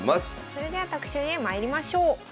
それでは特集へまいりましょう。